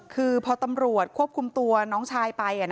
คือพอตำรวจควบคุมตัวน้องชายไป